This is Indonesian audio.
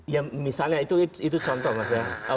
ya misalnya itu contoh mas ya